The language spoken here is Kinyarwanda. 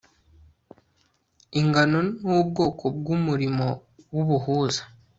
ingano n'ubwoko bw' umurimo w'ubuhuza